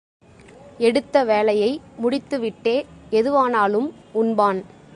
எடுத்த வேலையை முடித்துவிட்டே எதுவானாலும் உண்பான்.